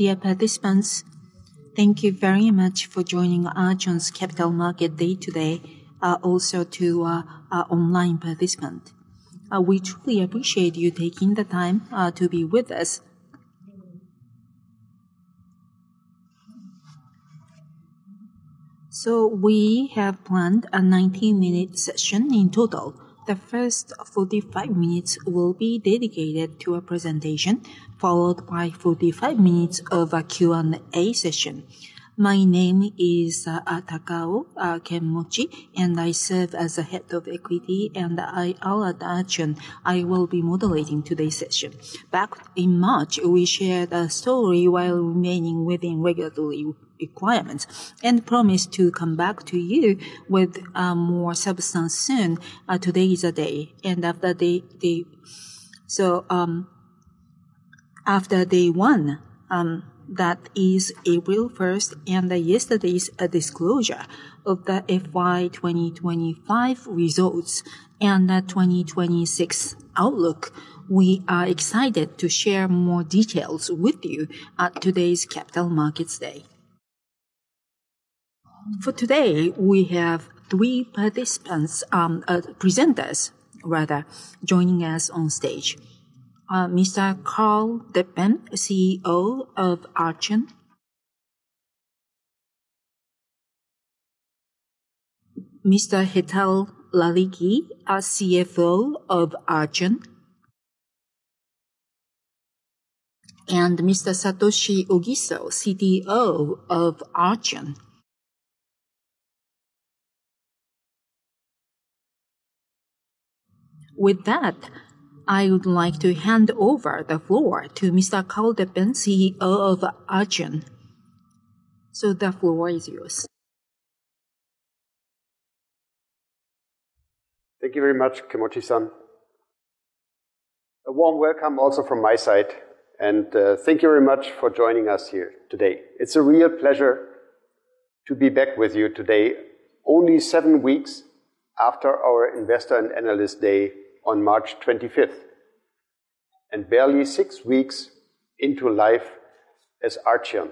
Dear participants, thank you very much for joining Archion's Capital Market Day today. Also to our online participants, we truly appreciate you taking the time to be with us. We have planned a 90-minute session in total. The first 45 minutes will be dedicated to a presentation, followed by 45 minutes of a Q&A session. My name is Takao Kenmochi, and I serve as the Head of Equity and IR at Archion. I will be moderating today's session. Back in March, we shared our story while remaining within regulatory requirements and promised to come back to you with more substance soon. Today is the day. After day one, that is April 1st, and yesterday's disclosure of the FY 2025 results and the 2026 outlook, we are excited to share more details with you at today's Capital Markets Day. For today, we have three participants, presenters rather, joining us on stage. Mr. Karl Deppen, CEO of Archion. Mr. Hetal Laligi, CFO of Archion. Mr. Satoshi Ogiso, CTO of Archion. With that, I would like to hand over the floor to Mr. Karl Deppen, CEO of Archion. The floor is yours. Thank you very much, Kenmochi-san. A warm welcome also from my side, and thank you very much for joining us here today. It is a real pleasure to be back with you today, only seven weeks after our Investor and Analyst Day on March 25th, and barely six weeks into life as Archion.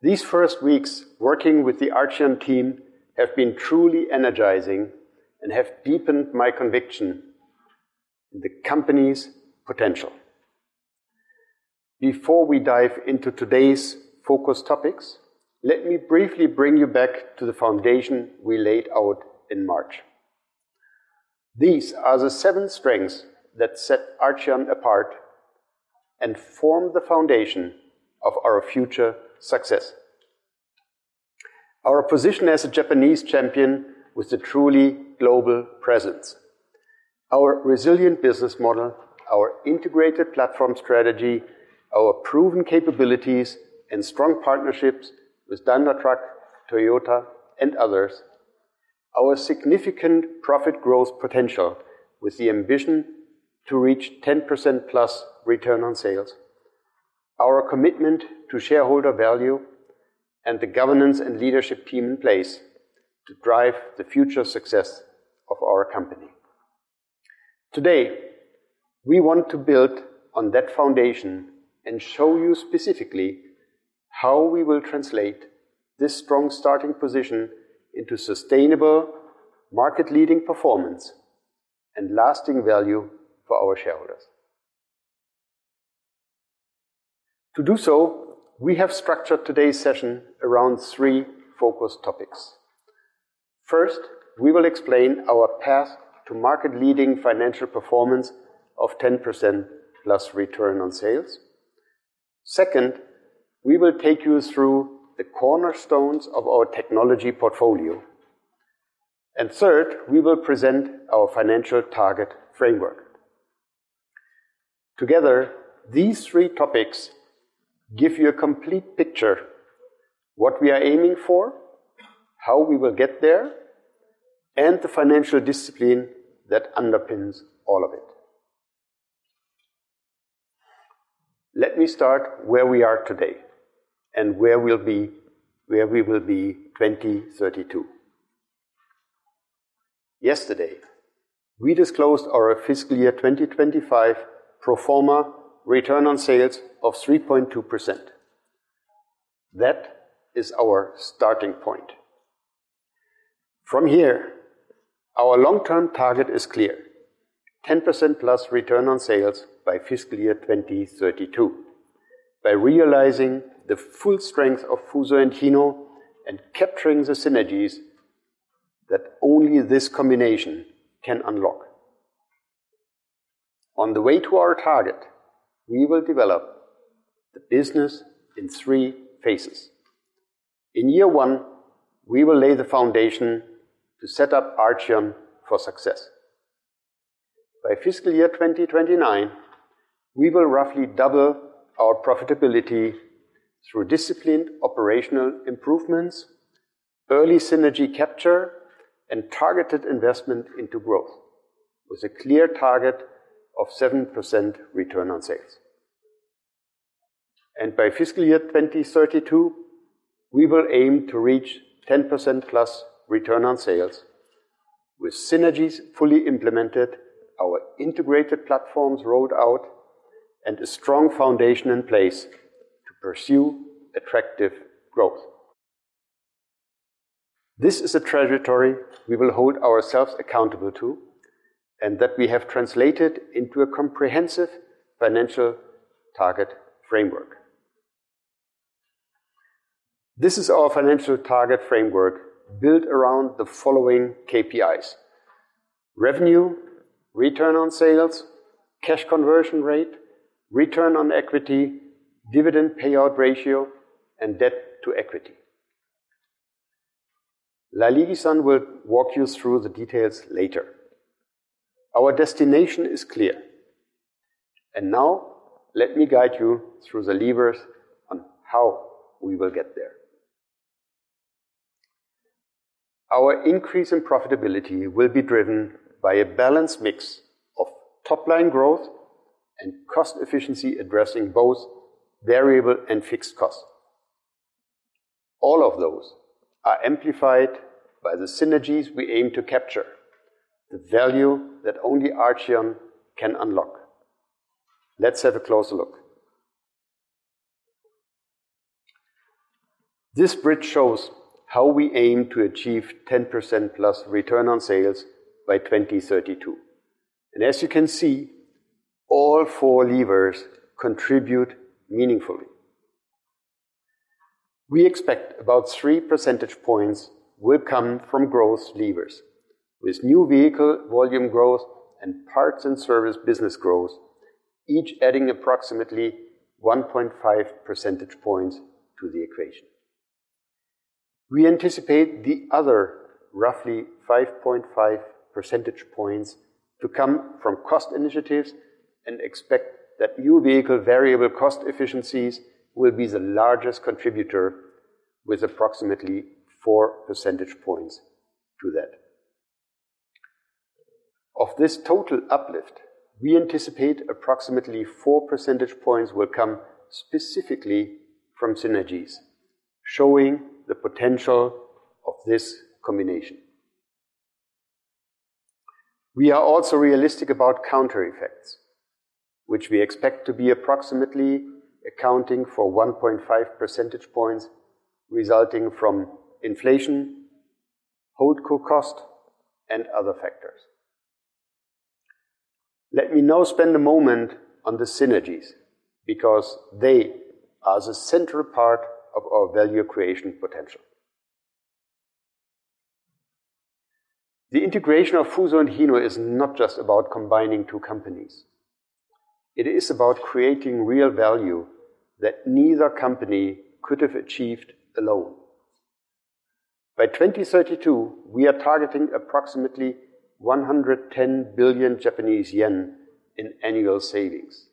These first weeks working with the Archion team have been truly energizing and have deepened my conviction in the company's potential. Before we dive into today's focus topics, let me briefly bring you back to the foundation we laid out in March. These are the seven strengths that set Archion apart and form the foundation of our future success. Our position as a Japanese champion with a truly global presence, our resilient business model, our integrated platform strategy, our proven capabilities and strong partnerships with Daimler, Toyota, and others. Our significant profit growth potential with the ambition to reach 10% plus return on sales. Our commitment to shareholder value and the governance and leadership team in place to drive the future success of our company. Today, we want to build on that foundation and show you specifically how we will translate this strong starting position into sustainable market-leading performance and lasting value for our shareholders. To do so, we have structured today's session around three focus topics. First, we will explain our path to market-leading financial performance of 10% plus return on sales. Second, we will take you through the cornerstones of our technology portfolio. Third, we will present our financial target framework. Together, these three topics give you a complete picture, what we are aiming for, how we will get there, and the financial discipline that underpins all of it. Let me start where we are today and where we will be 2032. Yesterday, we disclosed our FY 2025 pro forma return on sales of 3.2%. That is our starting point. From here, our long-term target is clear, 10% plus return on sales by FY 2032 by realizing the full strength of Fuso and Hino and capturing the synergies that only this combination can unlock. On the way to our target, we will develop the business in 3 phases. In year one, we will lay the foundation to set up Archion for success. By FY 2029, we will roughly double our profitability through disciplined operational improvements, early synergy capture, and targeted investment into growth with a clear target of 7% return on sales. By FY 2032, we will aim to reach 10% plus return on sales with synergies fully implemented, our integrated platforms rolled out, and a strong foundation in place to pursue attractive growth. This is a trajectory we will hold ourselves accountable to, and that we have translated into a comprehensive financial target framework. This is our financial target framework built around the following KPIs: revenue, return on sales, cash conversion rate, return on equity, dividend payout ratio, and debt to equity. Laliji-san will walk you through the details later. Our destination is clear. Now let me guide you through the levers on how we will get there. Our increase in profitability will be driven by a balanced mix of top-line growth and cost efficiency, addressing both variable and fixed costs. All of those are amplified by the synergies we aim to capture, the value that only Archion can unlock. Let's have a closer look. This bridge shows how we aim to achieve 10% plus return on sales by 2032. As you can see, all four levers contribute meaningfully. We expect about three percentage points will come from growth levers with new vehicle volume growth and parts and service business growth, each adding approximately 1.5 percentage points to the equation. We anticipate the other roughly 5.5 percentage points to come from cost initiatives and expect that new vehicle variable cost efficiencies will be the largest contributor with approximately four percentage points to that. Of this total uplift, we anticipate approximately four percentage points will come specifically from synergies, showing the potential of this combination. We are also realistic about counter effects, which we expect to be approximately accounting for 1.5 percentage points, resulting from inflation, holdco cost, and other factors. Let me now spend a moment on the synergies because they are the central part of our value creation potential. The integration of Fuso and Hino is not just about combining two companies. It is about creating real value that neither company could have achieved alone. By 2032, we are targeting approximately 110 billion Japanese yen in annual savings.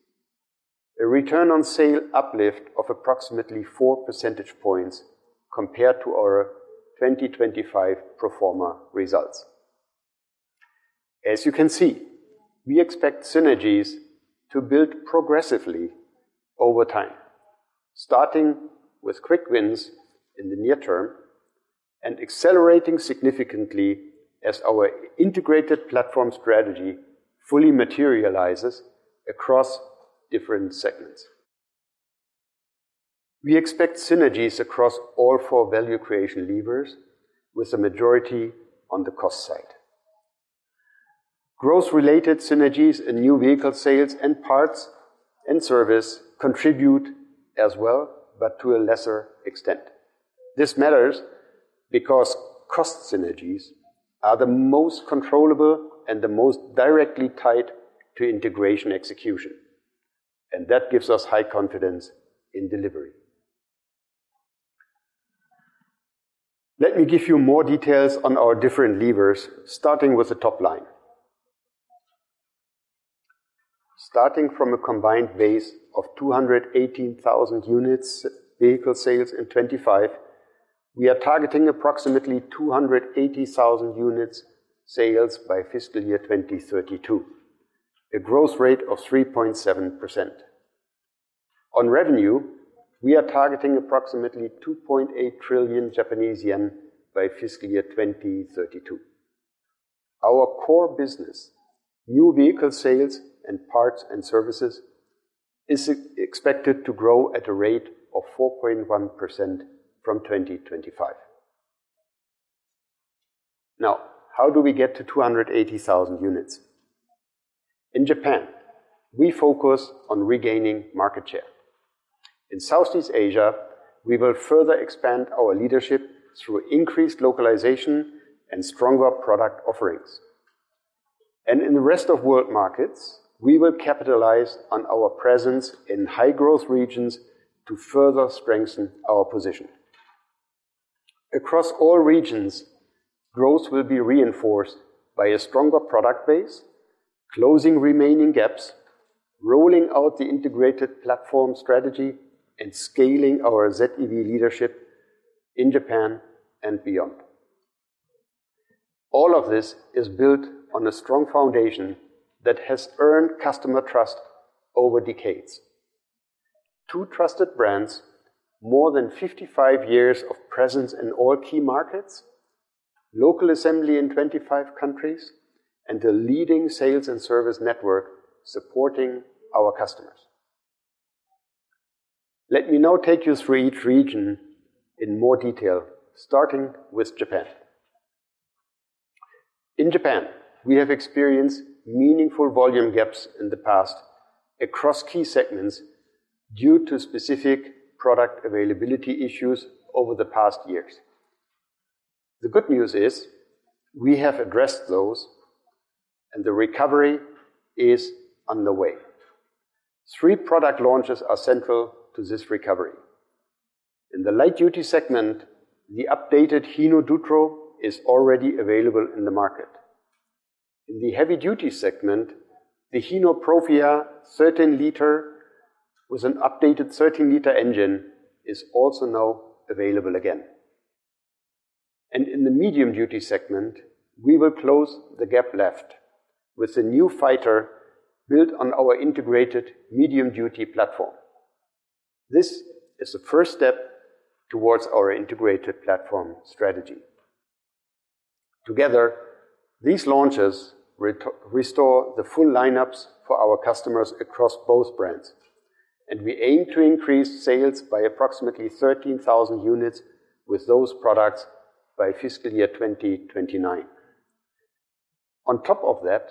A return on sales uplift of approximately four percentage points compared to our 2025 pro forma results. As you can see, we expect synergies to build progressively over time, starting with quick wins in the near term and accelerating significantly as our integrated platform strategy fully materializes across different segments. We expect synergies across all four value creation levers with the majority on the cost side. Growth-related synergies and new vehicle sales and parts and service contribute as well, but to a lesser extent. This matters because cost synergies are the most controllable and the most directly tied to integration execution, and that gives us high confidence in delivery. Let me give you more details on our different levers, starting with the top line. Starting from a combined base of 218,000 units vehicle sales in 2025, we are targeting approximately 280,000 units sales by fiscal year 2032, a growth rate of 3.7%. On revenue, we are targeting approximately 2.8 trillion Japanese yen by fiscal year 2032. Our core business, new vehicle sales and parts and services, is expected to grow at a rate of 4.1% from 2025. Now, how do we get to 280,000 units? In Japan, we focus on regaining market share. In Southeast Asia, we will further expand our leadership through increased localization and stronger product offerings. In the rest of world markets, we will capitalize on our presence in high-growth regions to further strengthen our position. Across all regions, growth will be reinforced by a stronger product base, closing remaining gaps, rolling out the integrated platform strategy, and scaling our ZEV leadership in Japan and beyond. All of this is built on a strong foundation that has earned customer trust over decades. Two trusted brands, more than 55 years of presence in all key markets, local assembly in 25 countries, and a leading sales and service network supporting our customers. Let me now take you through each region in more detail, starting with Japan. In Japan, we have experienced meaningful volume gaps in the past across key segments due to specific product availability issues over the past years. The good news is we have addressed those and the recovery is on the way. Three product launches are central to this recovery. In the light-duty segment, the updated Hino Dutro is already available in the market. In the heavy-duty segment, the Hino Profia 13-liter, with an updated 13-liter engine, is also now available again. In the medium-duty segment, we will close the gap left with a new Fighter built on our integrated medium-duty platform. This is the first step towards our integrated platform strategy. Together, these launches restore the full lineups for our customers across both brands, and we aim to increase sales by approximately 13,000 units with those products by fiscal year 2029. On top of that,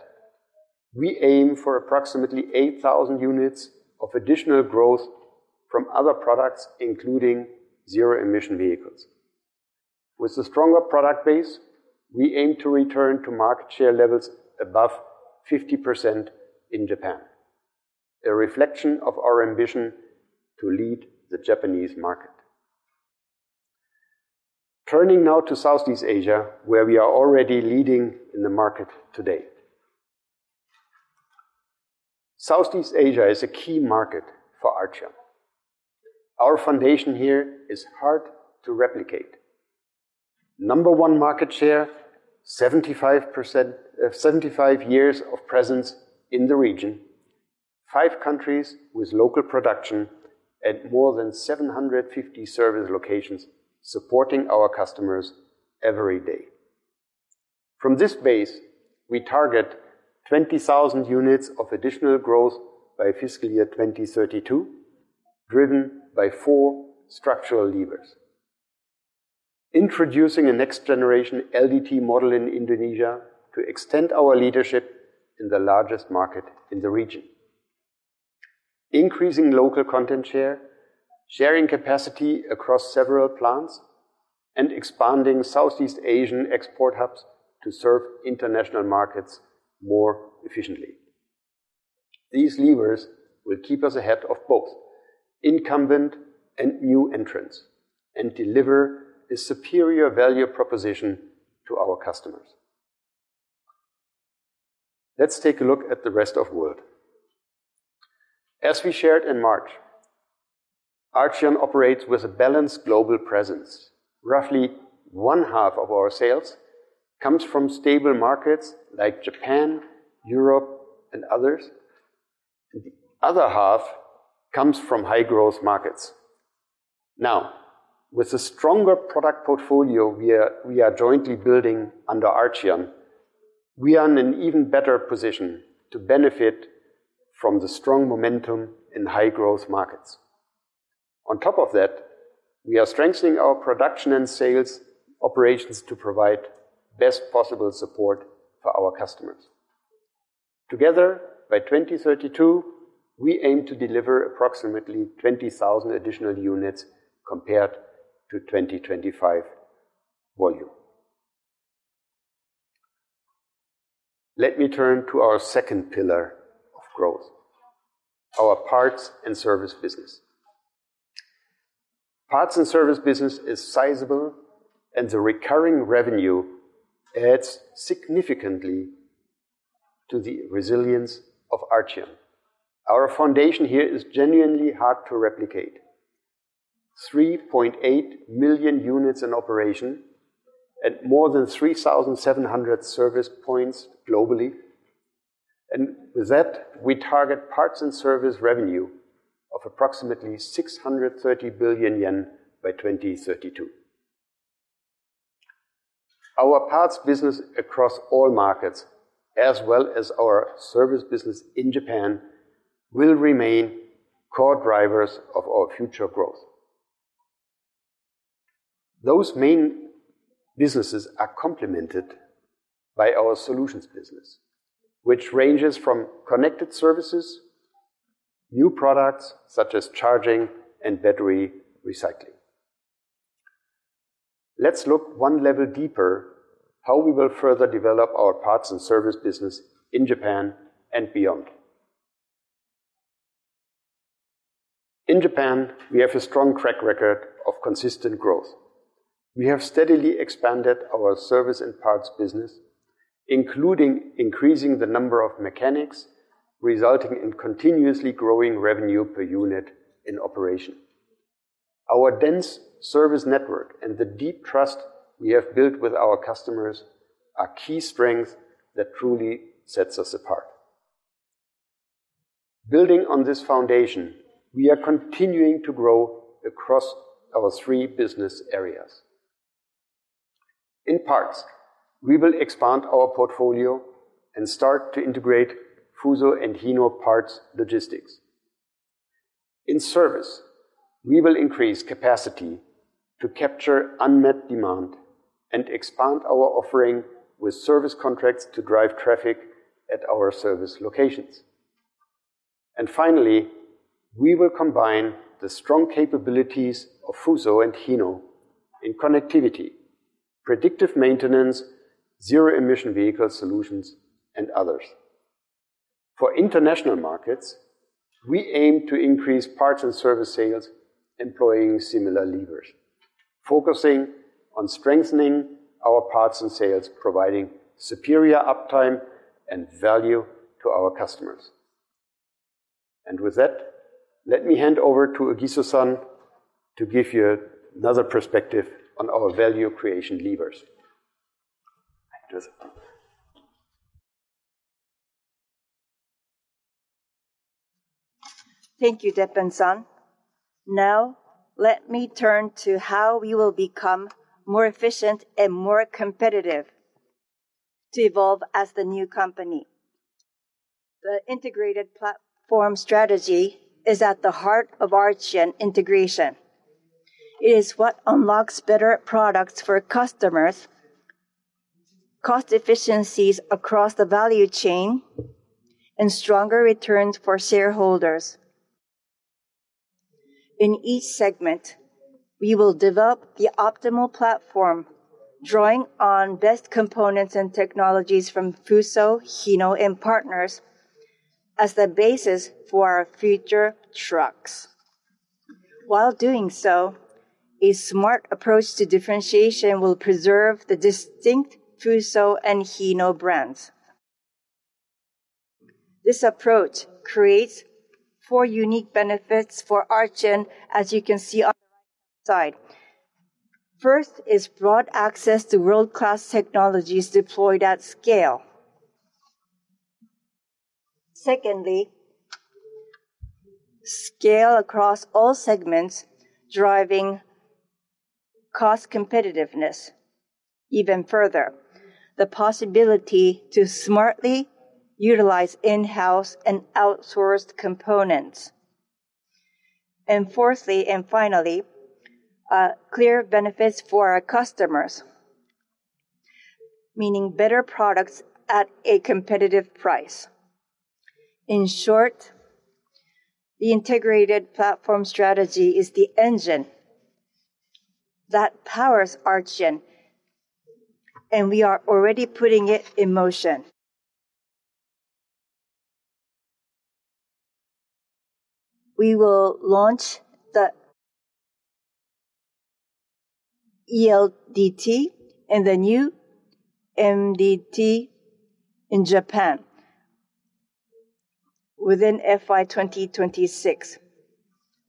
we aim for approximately 8,000 units of additional growth from other products, including zero-emission vehicles. With a stronger product base, we aim to return to market share levels above 50% in Japan, a reflection of our ambition to lead the Japanese market. Turning now to Southeast Asia, where we are already leading in the market today. Southeast Asia is a key market for Archion. Our foundation here is hard to replicate. Number 1 market share, 75 years of presence in the region, five countries with local production, and more than 750 service locations supporting our customers every day. From this base, we target 20,000 units of additional growth by fiscal year 2032, driven by four structural levers. Introducing a next-generation LDT model in Indonesia to extend our leadership in the largest market in the region. Increasing local content share, sharing capacity across several plants, and expanding Southeast Asian export hubs to serve international markets more efficiently. These levers will keep us ahead of both incumbent and new entrants and deliver a superior value proposition to our customers. Let's take a look at the rest of world. As we shared in March, Archion operates with a balanced global presence. Roughly one half of our sales comes from stable markets like Japan, Europe, and others, and the other half comes from high-growth markets. With a stronger product portfolio we are jointly building under Archion, we are in an even better position to benefit from the strong momentum in high-growth markets. On top of that, we are strengthening our production and sales operations to provide best possible support for our customers. Together, by 2032, we aim to deliver approximately 20,000 additional units compared to 2025 volume. Let me turn to our second pillar of growth, our parts and service business. Parts and service business is sizable and the recurring revenue adds significantly to the resilience of Archion. Our foundation here is genuinely hard to replicate. 3.8 million units in operation at more than 3,700 service points globally. With that, we target parts and service revenue of approximately 630 billion yen by 2032. Our parts business across all markets, as well as our service business in Japan, will remain core drivers of our future growth. Those main businesses are complemented by our solutions business, which ranges from connected services, new products such as charging and battery recycling. Let's look one level deeper how we will further develop our parts and service business in Japan and beyond. In Japan, we have a strong track record of consistent growth. We have steadily expanded our service and parts business, including increasing the number of mechanics, resulting in continuously growing revenue per unit in operation. Our dense service network and the deep trust we have built with our customers are key strengths that truly set us apart. Building on this foundation, we are continuing to grow across our three business areas. In parts, we will expand our portfolio and start to integrate Fuso and Hino Parts logistics. In service, we will increase capacity to capture unmet demand and expand our offering with service contracts to drive traffic at our service locations. Finally, we will combine the strong capabilities of Fuso and Hino in connectivity, predictive maintenance, zero emission vehicle solutions, and others. For international markets, we aim to increase parts and service sales employing similar levers, focusing on strengthening our parts and sales, providing superior uptime and value to our customers. With that, let me hand over to Egiso-san to give you another perspective on our value creation levers. Back to Egiso-san. Thank you, Deppen-san. Let me turn to how we will become more efficient and more competitive to evolve as the new company. The integrated platform strategy is at the heart of our Archion integration. It is what unlocks better products for customers, cost efficiencies across the value chain, and stronger returns for shareholders. In each segment, we will develop the optimal platform, drawing on best components and technologies from Fuso, Hino, and partners as the basis for our future trucks. While doing so, a smart approach to differentiation will preserve the distinct Fuso and Hino brands. This approach creates four unique benefits for Archion, as you can see on the right-hand side. First is broad access to world-class technologies deployed at scale. Secondly, scale across all segments, driving cost competitiveness even further. The possibility to smartly utilize in-house and outsourced components. Fourthly and finally, clear benefits for our customers, meaning better products at a competitive price. In short, the integrated platform strategy is the engine that powers Archion, and we are already putting it in motion. We will launch the ELDT and the new MDT in Japan within FY 2026,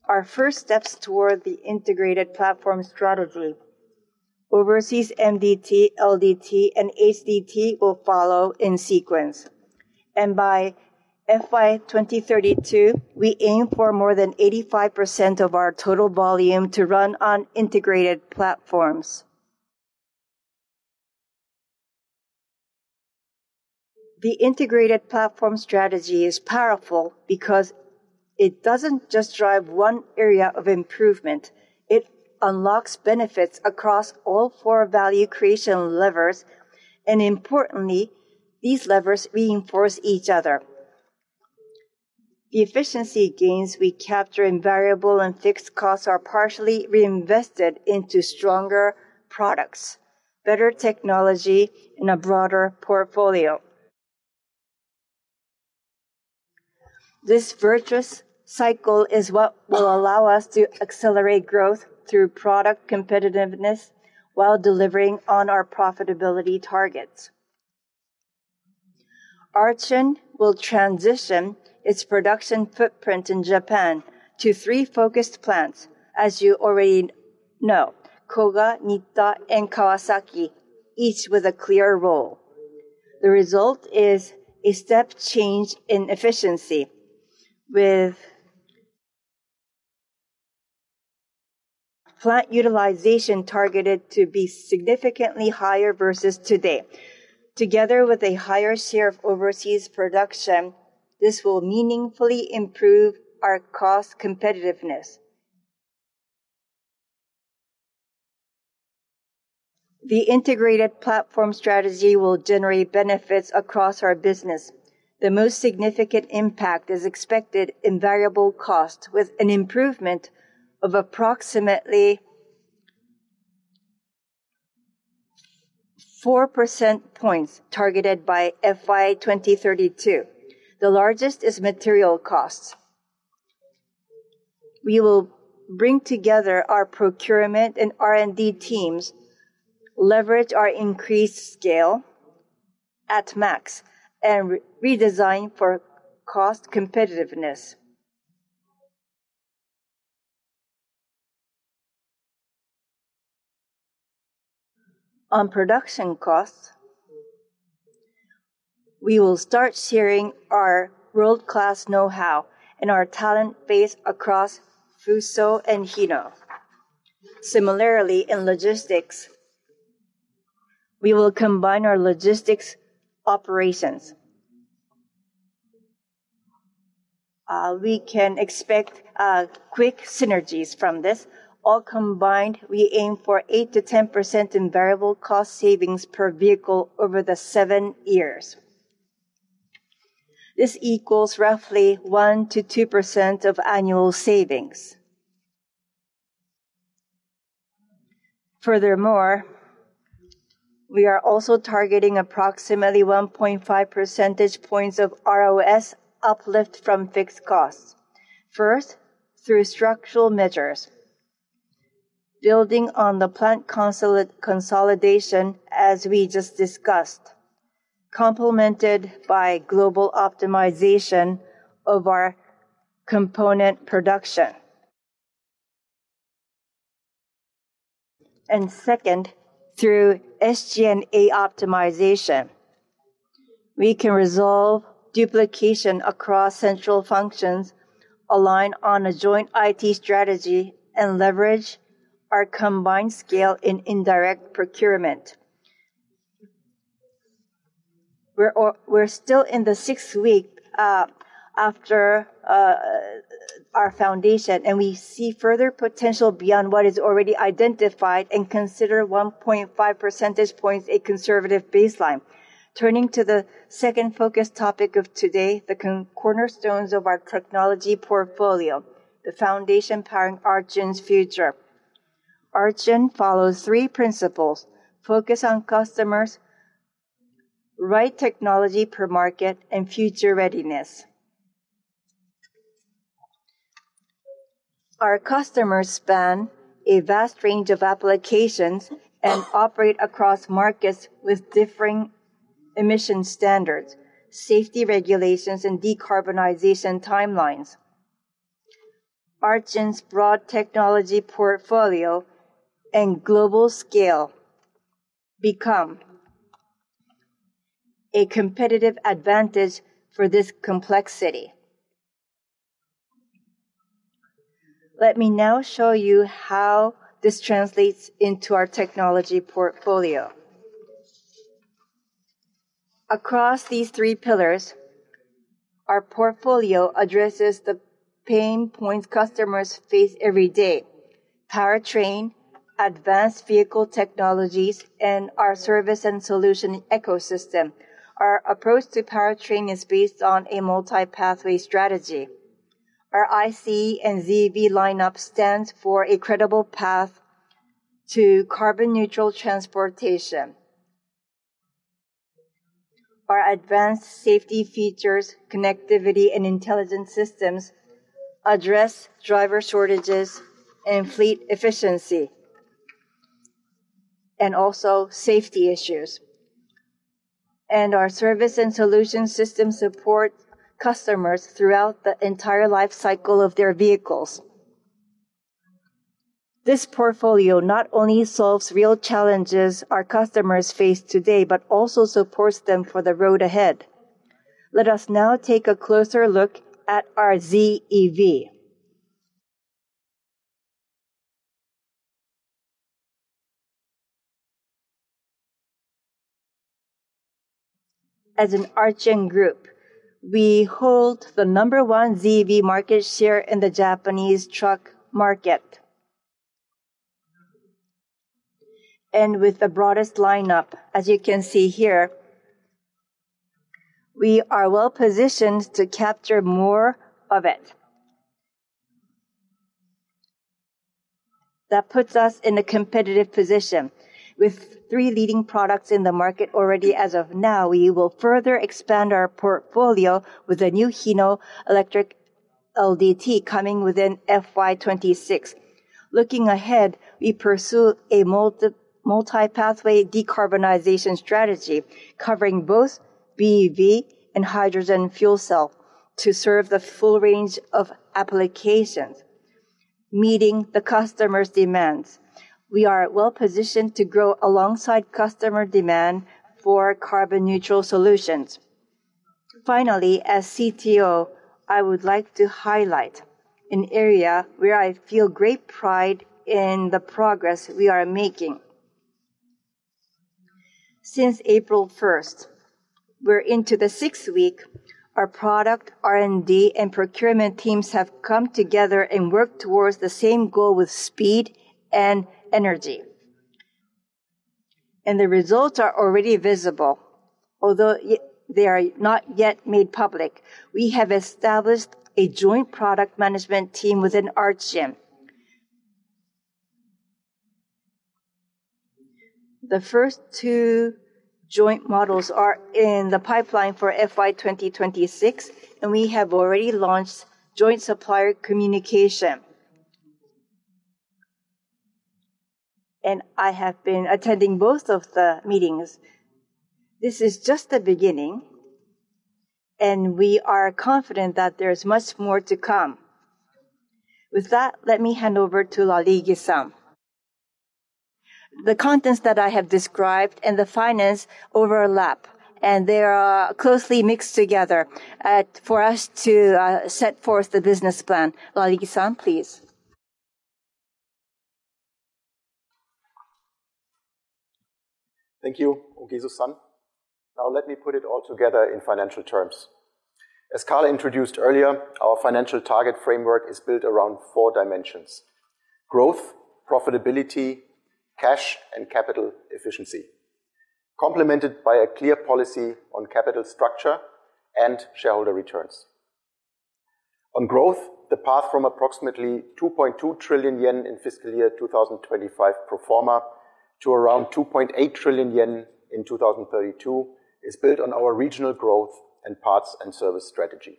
our first steps toward the integrated platform strategy. Overseas MDT, LDT, and HDT will follow in sequence. By FY 2032, we aim for more than 85% of our total volume to run on integrated platforms. The integrated platform strategy is powerful because it doesn't just drive one area of improvement. It unlocks benefits across all four value creation levers. Importantly, these levers reinforce each other. The efficiency gains we capture in variable and fixed costs are partially reinvested into stronger products, better technology, and a broader portfolio. This virtuous cycle is what will allow us to accelerate growth through product competitiveness while delivering on our profitability targets. Archion will transition its production footprint in Japan to three focused plants, as you already know, Koga, Ōta, and Kawasaki, each with a clear role. The result is a step change in efficiency, with plant utilization targeted to be significantly higher versus today. Together with a higher share of overseas production, this will meaningfully improve our cost competitiveness. The integrated platform strategy will generate benefits across our business. The most significant impact is expected in variable costs, with an improvement of approximately 4 percentage points targeted by FY 2032. The largest is material costs. We will bring together our procurement and R&D teams, leverage our increased scale at max and redesign for cost competitiveness. On production costs, we will start sharing our world-class know-how and our talent base across Fuso and Hino. Similarly, in logistics, we will combine our logistics operations. We can expect quick synergies from this. All combined, we aim for 8%-10% in variable cost savings per vehicle over the seven years. This equals roughly 1%-2% of annual savings. Furthermore, we are also targeting approximately 1.5 percentage points of ROS uplift from fixed costs. First, through structural measures. Building on the plant consolidation, as we just discussed, complemented by global optimization of our component production. Second, through SG&A optimization. We can resolve duplication across central functions, align on a joint IT strategy, and leverage our combined scale in indirect procurement. We're still in the sixth week after our foundation, and we see further potential beyond what is already identified and consider 1.5 percentage points a conservative baseline. Turning to the second focus topic of today, the cornerstones of our technology portfolio, the foundation powering Archion's future. Archion follows three principles: focus on customers, right technology per market, and future readiness. Our customers span a vast range of applications and operate across markets with differing emission standards, safety regulations, and decarbonization timelines. Archion's broad technology portfolio and global scale become a competitive advantage for this complexity. Let me now show you how this translates into our technology portfolio. Across these three pillars, our portfolio addresses the pain points customers face every day. Powertrain, advanced vehicle technologies, and our service and solution ecosystem. Our approach to powertrain is based on a multi-pathway strategy. Our ICE and ZEV lineup stands for a credible path to carbon-neutral transportation. Our advanced safety features, connectivity, and intelligence systems address driver shortages and fleet efficiency, and also safety issues. Our service and solution system support customers throughout the entire life cycle of their vehicles. This portfolio not only solves real challenges our customers face today, but also supports them for the road ahead. Let us now take a closer look at our ZEV. As an ARCHION Corporation, we hold the number one ZEV market share in the Japanese truck market. With the broadest lineup, as you can see here, we are well-positioned to capture more of it. That puts us in a competitive position. With three leading products in the market already as of now, we will further expand our portfolio with a new Hino electric LDT coming within FY 2026. Looking ahead, we pursue a multi-pathway decarbonization strategy covering both BEV and hydrogen fuel cell to serve the full range of applications, meeting the customers' demands. We are well-positioned to grow alongside customer demand for carbon-neutral solutions. Finally, as CTO, I would like to highlight an area where I feel great pride in the progress we are making. Since April 1st, we're into the sixth week. Our product, R&D, and procurement teams have come together and worked towards the same goal with speed and energy. The results are already visible. Although they are not yet made public, we have established a joint product management team within Archion. The first two joint models are in the pipeline for FY 2026, and we have already launched joint supplier communication. I have been attending both of the meetings. This is just the beginning, and we are confident that there is much more to come. With that, let me hand over to Laligie-san. The contents that I have described and the finance overlap, and they are closely mixed together for us to set forth the business plan. Laligie-san, please. Thank you, Ogiso-san. Now let me put it all together in financial terms. As Karl introduced earlier, our financial target framework is built around four dimensions: growth, profitability, cash, and capital efficiency, complemented by a clear policy on capital structure and shareholder returns. On growth, the path from approximately 2.2 trillion yen in FY 2025 pro forma to around 2.8 trillion yen in 2032 is built on our regional growth and parts and service strategy.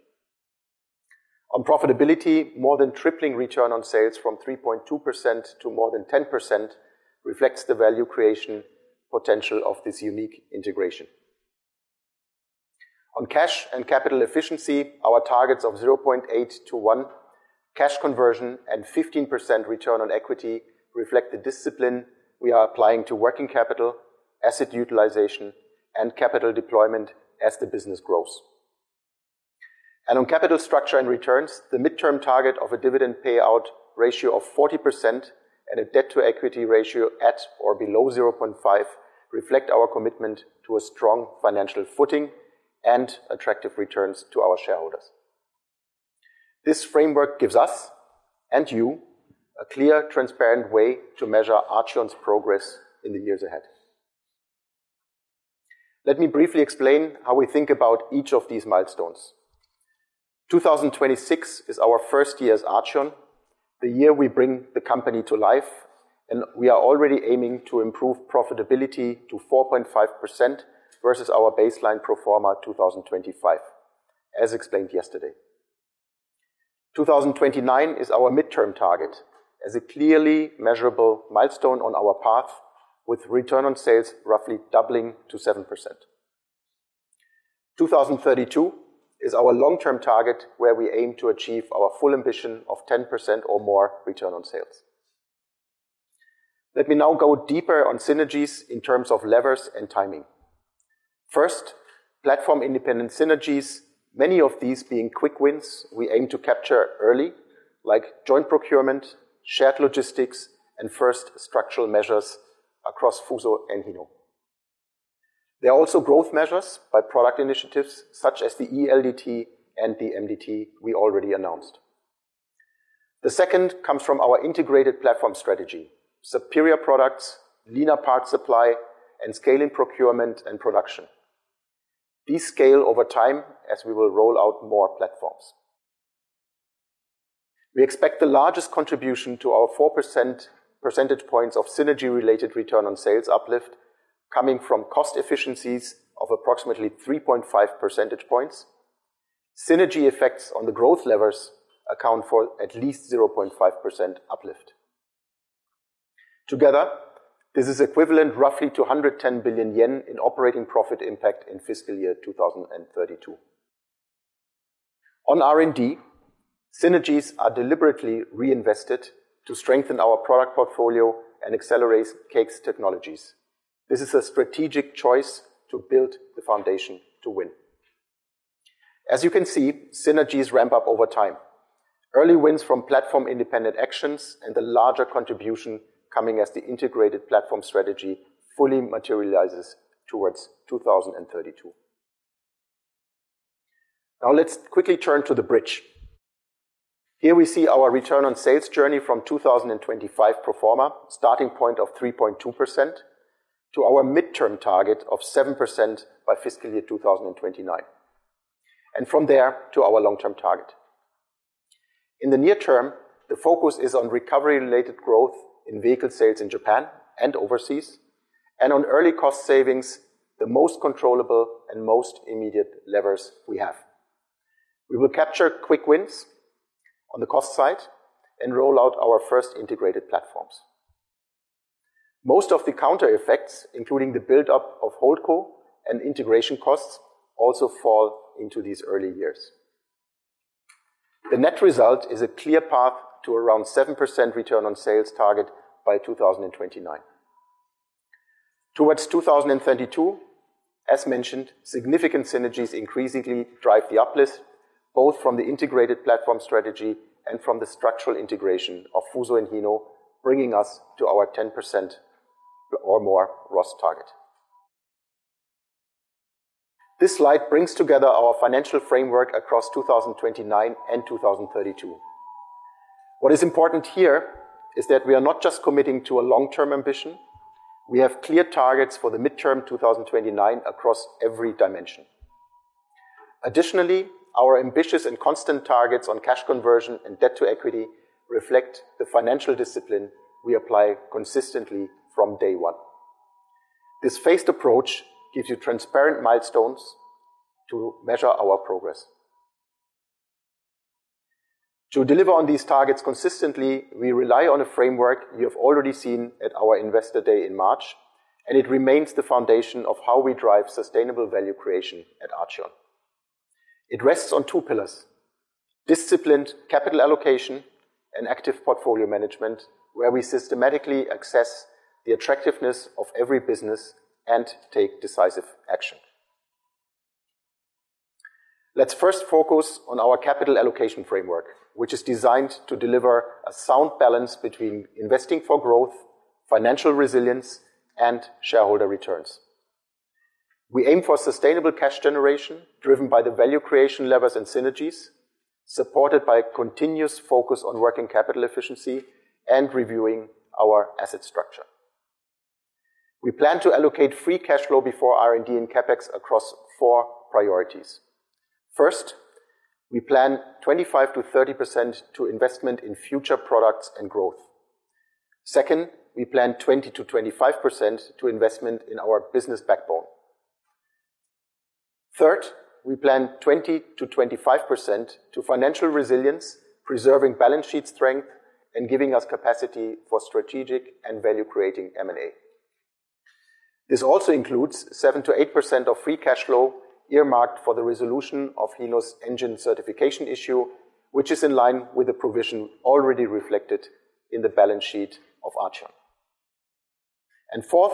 On profitability, more than tripling return on sales from 3.2% to more than 10% reflects the value creation potential of this unique integration. On cash and capital efficiency, our targets of 0.8-1 cash conversion and 15% return on equity reflect the discipline we are applying to working capital, asset utilization, and capital deployment as the business grows. On capital structure and returns, the midterm target of a dividend payout ratio of 40% and a debt-to-equity ratio at or below 0.5 reflect our commitment to a strong financial footing and attractive returns to our shareholders. This framework gives us and you a clear, transparent way to measure Archion's progress in the years ahead. Let me briefly explain how we think about each of these milestones. 2026 is our first year as Archion, the year we bring the company to life, and we are already aiming to improve profitability to 4.5% versus our baseline pro forma 2025, as explained yesterday. 2029 is our midterm target as a clearly measurable milestone on our path, with return on sales roughly doubling to 7%. 2032 is our long-term target, where we aim to achieve our full ambition of 10% or more return on sales. Let me now go deeper on synergies in terms of levers and timing. First, platform-independent synergies, many of these being quick wins we aim to capture early, like joint procurement, shared logistics, and first structural measures across Fuso and Hino. There are also growth measures by product initiatives such as the eLDT and the MDT we already announced. The second comes from our integrated platform strategy: superior products, leaner parts supply, and scaling procurement and production. These scale over time as we will roll out more platforms. We expect the largest contribution to our 4 percentage points of synergy-related return on sales uplift coming from cost efficiencies of approximately 3.5 percentage points. Synergy effects on the growth levers account for at least 0.5% uplift. Together, this is equivalent roughly to 110 billion yen in operating profit impact in FY 2032. On R&D, synergies are deliberately reinvested to strengthen our product portfolio and accelerate CASE technologies. This is a strategic choice to build the foundation to win. As you can see, synergies ramp up over time. Early wins from platform-independent actions and the larger contribution coming as the integrated platform strategy fully materializes towards 2032. Now let's quickly turn to the bridge. Here we see our return on sales journey from 2025 pro forma starting point of 3.2% to our midterm target of 7% by FY 2029, and from there to our long-term target. In the near term, the focus is on recovery-related growth in vehicle sales in Japan and overseas, and on early cost savings, the most controllable and most immediate levers we have. We will capture quick wins on the cost side and roll out our first integrated platforms. Most of the counter effects, including the buildup of holdco and integration costs, also fall into these early years. The net result is a clear path to around 7% return on sales target by 2029. Towards 2032, as mentioned, significant synergies increasingly drive the uplift, both from the integrated platform strategy and from the structural integration of Fuso and Hino, bringing us to our 10% or more ROS target. This slide brings together our financial framework across 2029 and 2032. What is important here is that we are not just committing to a long-term ambition. We have clear targets for the midterm 2029 across every dimension. Additionally, our ambitious and constant targets on cash conversion and debt to equity reflect the financial discipline we apply consistently from day one. This phased approach gives you transparent milestones to measure our progress. To deliver on these targets consistently, we rely on a framework you have already seen at our Investor Day in March, and it remains the foundation of how we drive sustainable value creation at Archion. It rests on two pillars: disciplined capital allocation and active portfolio management, where we systematically assess the attractiveness of every business and take decisive action. Let's first focus on our capital allocation framework, which is designed to deliver a sound balance between investing for growth, financial resilience, and shareholder returns. We aim for sustainable cash generation driven by the value creation levers and synergies, supported by a continuous focus on working capital efficiency and reviewing our asset structure. We plan to allocate free cash flow before R&D and CapEx across four priorities. First, we plan 25%-30% to investment in future products and growth. Second, we plan 20%-25% to investment in our business backbone. Third, we plan 20%-25% to financial resilience, preserving balance sheet strength and giving us capacity for strategic and value-creating M&A. This also includes 7%-8% of free cash flow earmarked for the resolution of Hino's engine certification issue, which is in line with the provision already reflected in the balance sheet of Archion. Fourth,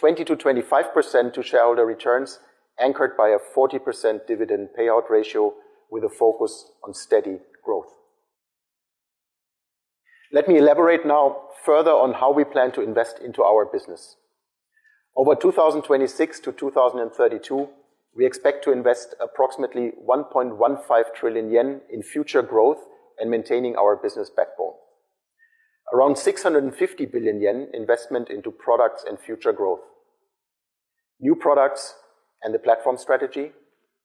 20%-25% to shareholder returns, anchored by a 40% dividend payout ratio with a focus on steady growth. Let me elaborate now further on how we plan to invest into our business. Over 2026 to 2032, we expect to invest approximately 1.15 trillion yen in future growth and maintaining our business backbone. Around 650 billion yen investment into products and future growth. New products and the platform strategy,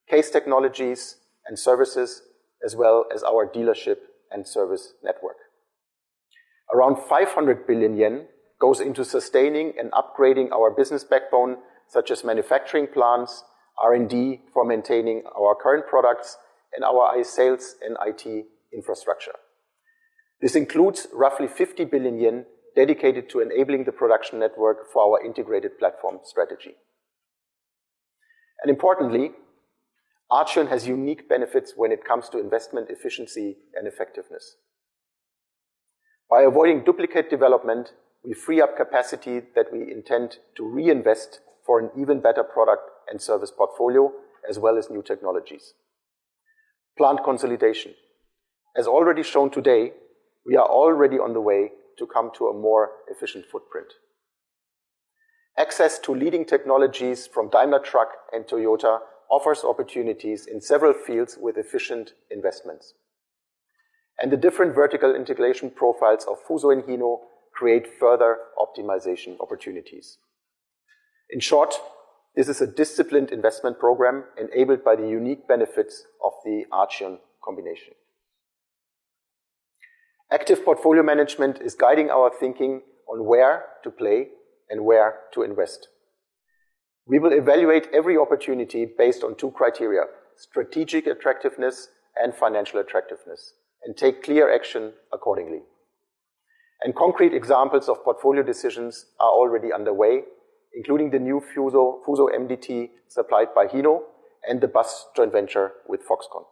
CASE technologies and services, as well as our dealership and service network. Around 500 billion yen goes into sustaining and upgrading our business backbone, such as manufacturing plants, R&D for maintaining our current products, and our sales and IT infrastructure. This includes roughly 50 billion yen dedicated to enabling the production network for our integrated platform strategy. Importantly, Archion has unique benefits when it comes to investment efficiency and effectiveness. By avoiding duplicate development, we free up capacity that we intend to reinvest for an even better product and service portfolio, as well as new technologies. Plant consolidation. As already shown today, we are already on the way to come to a more efficient footprint. Access to leading technologies from Daimler Truck and Toyota offers opportunities in several fields with efficient investments. The different vertical integration profiles of Fuso and Hino create further optimization opportunities. In short, this is a disciplined investment program enabled by the unique benefits of the Archion combination. Active portfolio management is guiding our thinking on where to play and where to invest. We will evaluate every opportunity based on two criteria, strategic attractiveness and financial attractiveness, and take clear action accordingly. Concrete examples of portfolio decisions are already underway, including the new Fuso MDT supplied by Hino and the bus joint venture with Foxconn.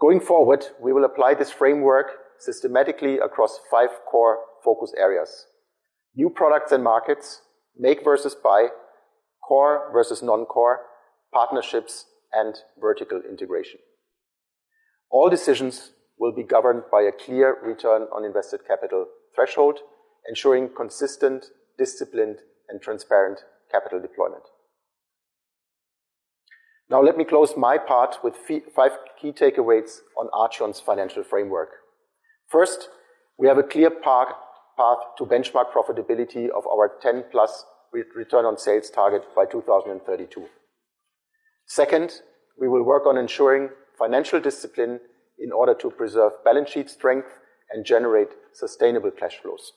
Going forward, we will apply this framework systematically across five core focus areas: new products and markets, make versus buy, core versus non-core, partnerships, and vertical integration. All decisions will be governed by a clear return on invested capital threshold, ensuring consistent, disciplined and transparent capital deployment. Let me close my part with five key takeaways on Archion's financial framework. First, we have a clear path to benchmark profitability of our 10+ return on sales target by 2032. Second, we will work on ensuring financial discipline in order to preserve balance sheet strength and generate sustainable cash flows.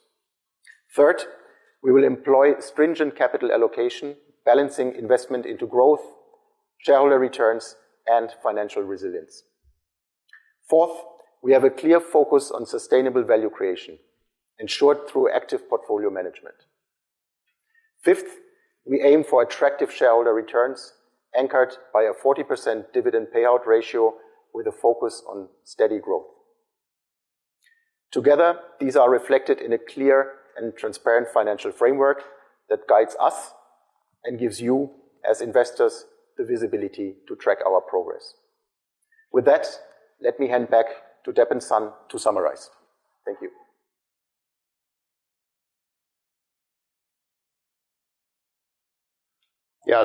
Third, we will employ stringent capital allocation, balancing investment into growth, shareholder returns, and financial resilience. Fourth, we have a clear focus on sustainable value creation, ensured through active portfolio management. Fifth, we aim for attractive shareholder returns anchored by a 40% dividend payout ratio with a focus on steady growth. Together, these are reflected in a clear and transparent financial framework that guides us and gives you, as investors, the visibility to track our progress. With that, let me hand back to Deb and San to summarize. Thank you.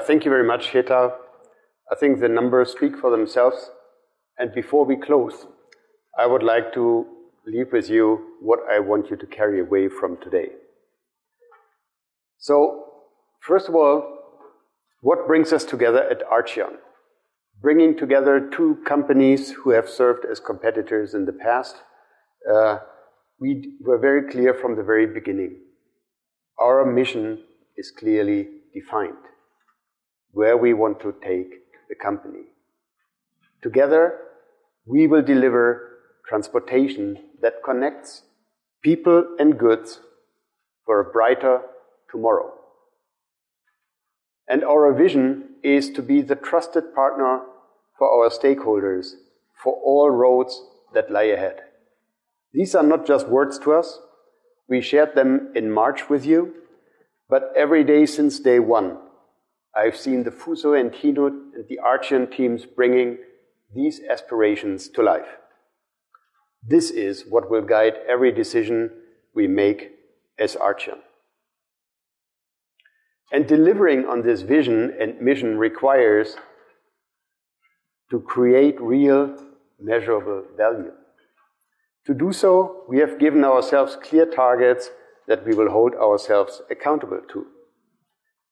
Thank you very much, Peter. I think the numbers speak for themselves. Before we close, I would like to leave with you what I want you to carry away from today. First of all, what brings us together at Archion? Bringing together two companies who have served as competitors in the past. We were very clear from the very beginning. Our mission is clearly defined where we want to take the company. Together, we will deliver transportation that connects people and goods for a brighter tomorrow. Our vision is to be the trusted partner for our stakeholders for all roads that lie ahead. These are not just words to us. We shared them in March with you, every day since day one, I've seen the Fuso and Hino, the Archion teams bringing these aspirations to life. This is what will guide every decision we make as Archion. Delivering on this vision and mission requires to create real measurable value. To do so, we have given ourselves clear targets that we will hold ourselves accountable to.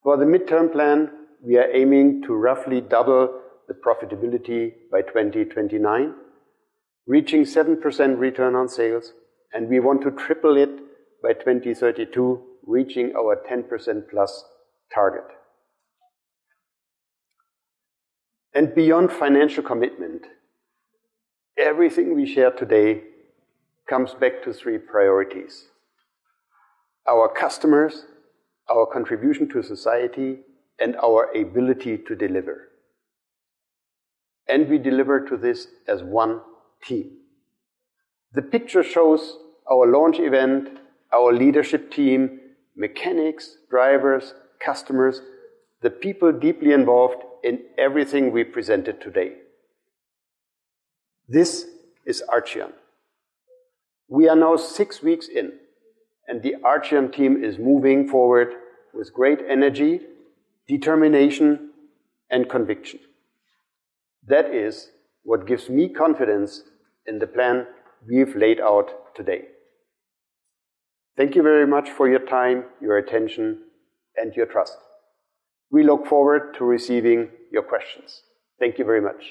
For the midterm plan, we are aiming to roughly double the profitability by 2029, reaching 7% return on sales, and we want to triple it by 2032, reaching our 10%+ target. Beyond financial commitment, everything we share today comes back to three priorities: our customers, our contribution to society, and our ability to deliver. We deliver to this as one team. The picture shows our launch event, our leadership team, mechanics, drivers, customers, the people deeply involved in everything we presented today. This is Archion. We are now six weeks in, the Archion team is moving forward with great energy, determination, and conviction. That is what gives me confidence in the plan we've laid out today. Thank you very much for your time, your attention, and your trust. We look forward to receiving your questions. Thank you very much